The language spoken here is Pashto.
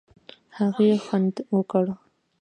هغې خوند ورکړ.